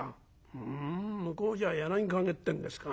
ふん向こうじゃ『柳陰』ってんですか？」。